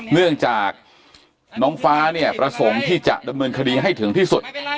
เนื่องจากน้องฟ้าเนี่ยประสงค์ที่จะดำเนินคดีให้ถึงที่สุด